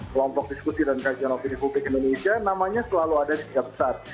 kelompok diskusi dan kajian opini publik indonesia namanya selalu ada di tiga besar